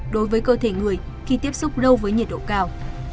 đối với cơ thể người khi tiếp xúc lâu với nhiệt độ cao